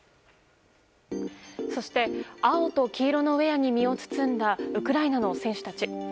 そして青と黄色のウェアに身を包んだウクライナの選手たち。